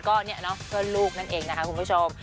ก็เนี่ยเนาะเพื่อนลูกนั่นเองนะคะคุณผู้ชม